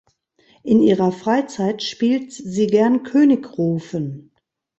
In ihrer Freizeit spielt sie gerne Königrufen.